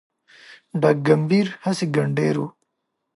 ډاګ کمبېر هسي ګنډېر و